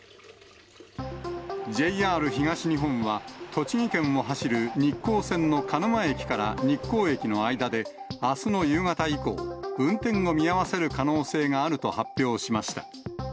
ＪＲ東日本は、栃木県を走る日光線の鹿沼駅から日光駅の間で、あすの夕方以降、運転を見合わせる可能性があると発表しました。